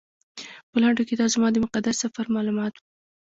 په لنډو کې دا زما د مقدس سفر معلومات و.